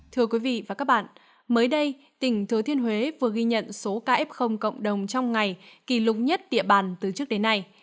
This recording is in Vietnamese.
thưa quý vị và các bạn mới đây tỉnh thừa thiên huế vừa ghi nhận số caf cộng đồng trong ngày kỷ lục nhất địa bàn từ trước đến nay